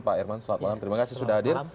pak herman selamat malam terima kasih sudah hadir